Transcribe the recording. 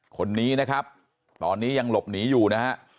คนนี้นะครับตอนนี้ยังหลบหนีอยู่นะฮะ